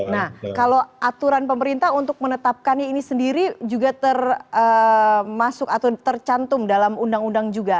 nah kalau aturan pemerintah untuk menetapkannya ini sendiri juga termasuk atau tercantum dalam undang undang juga